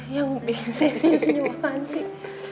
yang bikin saya senyum senyum apaan sih